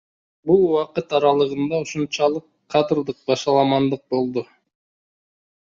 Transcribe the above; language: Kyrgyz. Бул убакыт аралыгында ушунчалык кадрдык башаламандык болду.